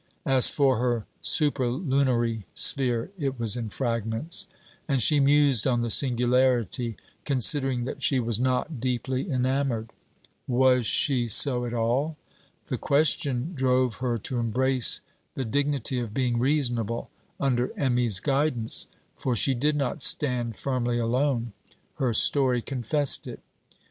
As for her superlunary sphere, it was in fragments; and she mused on the singularity, considering that she was not deeply enamoured. Was she so at all? The question drove her to embrace the dignity of being reasonable under Emmy's guidance. For she did not stand firmly alone; her story confessed it.